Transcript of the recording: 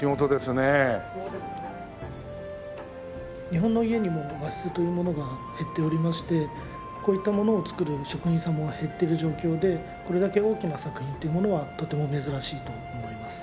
日本の家にも和室というものが減っておりましてこういったものを作る職人さんも減ってる状況でこれだけ大きな作品っていうものはとても珍しいと思います。